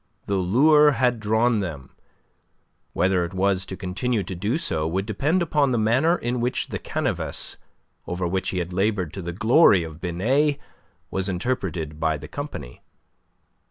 The lure had drawn them. Whether it was to continue to do so would depend upon the manner in which the canevas over which he had laboured to the glory of Binet was interpreted by the company.